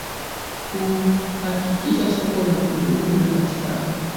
kuhakikisha soko la kudumu linapatikana